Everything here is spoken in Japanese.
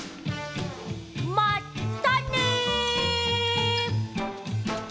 まったね！